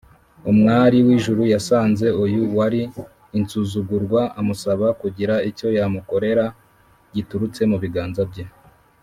. Umwami w’ijuru yasanze uyu wari insuzugurwa, amusaba kugira icyo yamukorera giturutse mu biganza bye.